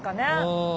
うん。